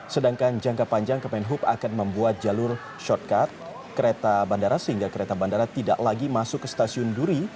sedangkan jangka panjang kemenhub akan membuat jalur shortcut kereta bandara sehingga kereta bandara tidak lagi masuk ke stasiun duri